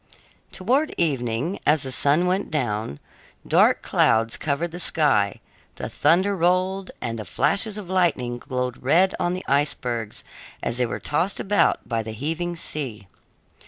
Towards evening, as the sun went down, dark clouds covered the sky, the thunder rolled, and the flashes of lightning glowed red on the icebergs as they were tossed about by the heaving sea.